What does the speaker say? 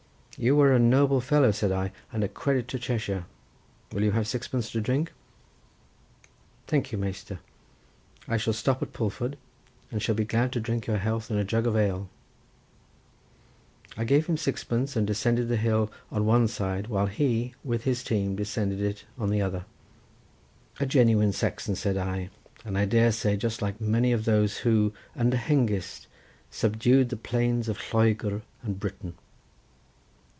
"You are a noble fellow," said I, "and a credit to Cheshire. Will you have sixpence to drink?" "Thank you, Measter, I shall stop at Pulford, and shall be glad to drink your health in a jug of ale." I gave him sixpence, and descended the hill on one side, while he, with his team, descended it on the other. "A genuine Saxon," said I; "I dare say just like many of those who, under Hengist, subdued the plains of Lloegr and Britain.